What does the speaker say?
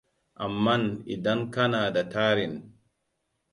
amman idan ka na da tarin